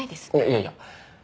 いやいや。